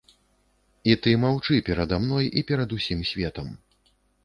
І ты маўчы перада мной і перад усім светам.